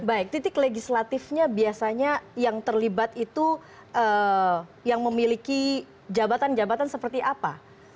jadi legislatifnya biasanya yang terlibat itu yang memiliki jabatan jabatan seperti apa